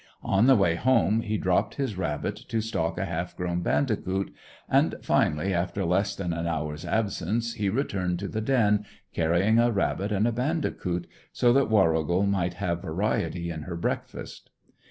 On the way home he dropped his rabbit to stalk a half grown bandicoot; and finally, after less than an hour's absence, he returned to the den carrying a rabbit and a bandicoot, so that Warrigal might have variety in her breakfast.